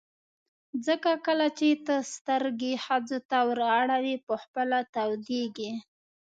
ځکه کله چې ته سترګې ښځو ته ور اړوې په خپله تودېږي.